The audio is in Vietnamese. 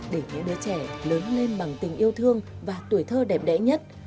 để những đứa trẻ lớn lên bằng tình yêu thương và tuổi thơ đẹp đẽ nhất